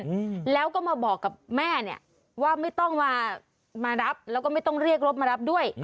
อืมแล้วก็มาบอกกับแม่เนี้ยว่าไม่ต้องมามารับแล้วก็ไม่ต้องเรียกรถมารับด้วย